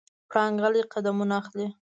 پړانګ غلی قدمونه اخلي.